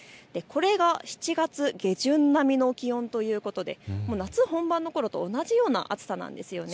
７月下旬並みの気温ということで夏本番のころと同じような暑さなんです。